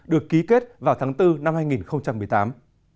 được ký kết vào tháng bốn năm hai nghìn một mươi tám